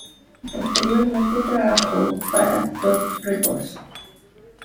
Posteriormente trabajó para Dot Records.